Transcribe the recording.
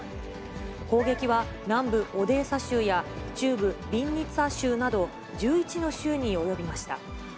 攻撃は南部オデーサ州や中部ビンニツァ州など、１１の州に及びました。